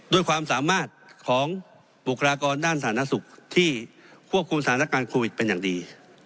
ด้วยความสามารถของบุคลากรด้านสาธารณสุขที่ควบคุมสถานการณ์โควิดเป็นอย่างดี